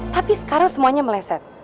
tapi sekarang semuanya meleset